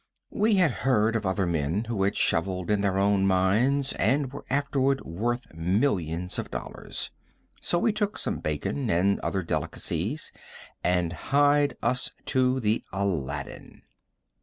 We had heard of other men who had shoveled in their own mines and were afterward worth millions of dollars, so we took some bacon and other delicacies and hied us to the Aladdin.